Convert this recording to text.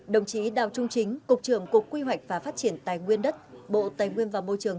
đồng chí đào trung chính cục trưởng cục quy hoạch và phát triển tài nguyên đất bộ tài nguyên và môi trường